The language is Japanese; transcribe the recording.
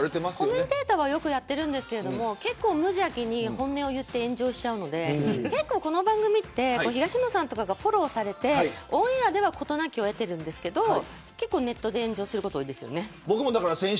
コメンテーターはよくやっているんですけど結構、無邪気に本音を言って炎上しちゃうのでこの番組って東野さんとかがフォローされてオンエアでは事なきを得てるんですけど結構ネットで炎上すること多いですよね。